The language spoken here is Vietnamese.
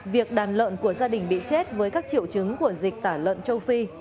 việc đàn lợn của gia đình bị chết với các triệu chứng của dịch tả lợn châu phi